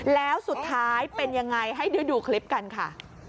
แล้วสุดท้ายเป็นยังไงให้ได้ดูคลิปกันค่ะ